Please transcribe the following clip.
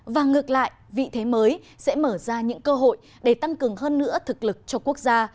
và ngược lại vị thế mới sẽ mở ra những cơ hội để tăng cường hơn nữa thực lực cho quốc gia